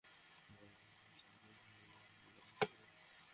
কারণ শত্রু যেকোনো সময়ে হামলা করতে পারে।